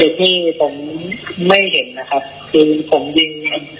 ที่ผมไม่เห็นนะครับคือผมยิง